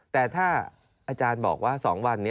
แต่ถ้าอาจารย์บอกว่า๒วัน